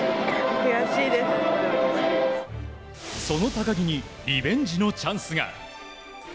その高木にリベンジのチャンスが。